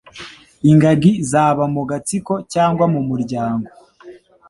Ingagi Zaba mu gatsiko cyangwa mu muryango,